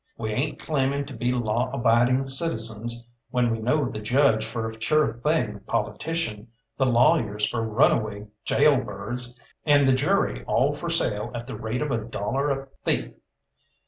We ain't claiming to be law abiding citizens when we know the judge for a sure thing politician, the lawyers for runaway gaol birds, and the jury all for sale at the rate of a dollar a thief.